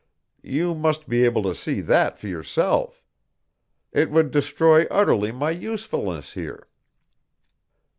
You must be able to see that for yourself. It would destroy utterly my usefulness here.